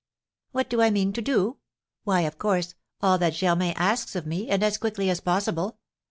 "What do I mean to do? Why, of course, all that Germain asks of me, and as quickly as possible.